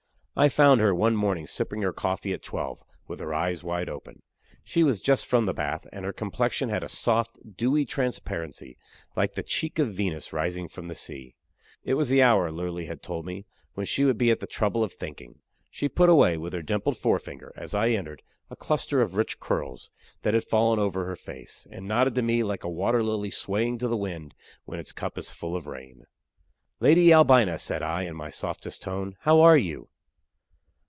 I found her one morning sipping her coffee at twelve, with her eyes wide open. She was just from the bath, and her complexion had a soft, dewy transparency, like the cheek of Venus rising from the sea. It was the hour, Lurly had told me, when she would be at the trouble of thinking. She put away with her dimpled forefinger, as I entered, a cluster of rich curls that had fallen over her face, and nodded to me like a water lily swaying to the wind when its cup is full of rain. "Lady Albina," said I, in my softest tone, "how are you?"